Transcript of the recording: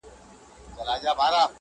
o خاموسي تر ټولو قوي ځواب دی,